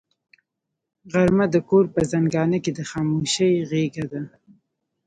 غرمه د کور په زنګانه کې د خاموشۍ غېږه ده